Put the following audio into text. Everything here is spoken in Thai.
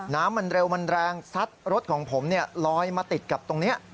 น้ำมันเร็วมันแรงซัดรถของผมลอยมาติดกับตรงนี้